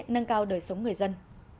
nâng cao đời sống người dân